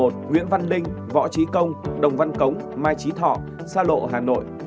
một nguyễn văn đinh võ trí công đồng văn cống mai trí thọ sa lộ hà nội